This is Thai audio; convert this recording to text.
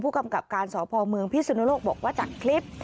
กำกับการสพเมืองพิสุนโลกบอกว่าจากคลิป